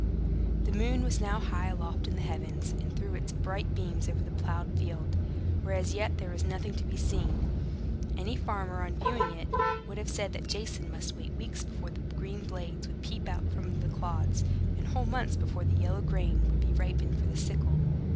The moon was now high aloft in the heavens, and threw its bright beams over the plowed field, where as yet there was nothing to be seen. Any farmer, on viewing it, would have said that Jason must wait weeks before the green blades would peep from among the clods, and whole months before the yellow grain would be ripened for the sickle.